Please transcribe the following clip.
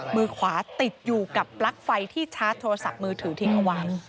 มือขวาติดอยู่กับปลั๊กไฟที่ชาร์จโทรศัพท์มือถือทิ้งเอาไว้